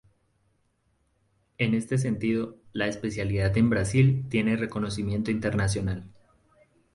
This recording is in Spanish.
En este sentido, la especialidad en Brasil tiene reconocimiento internacional.